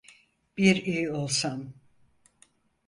Bir iyi olsam!